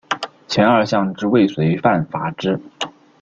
前二项之未遂犯罚之。